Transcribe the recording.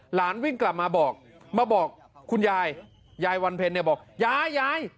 หลานวิ่งกลับมาบอกมาบอกคุณยายยายวันเพ็ญเนี่ยบอกยายยาย